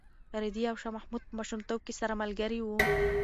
رېدي او شاه محمود په ماشومتوب کې سره ملګري وو.